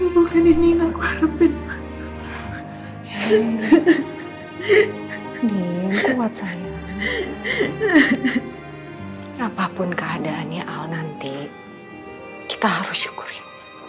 bukan ini aku harapin ya ini kuat sayang apapun keadaannya al nanti kita harus syukur ya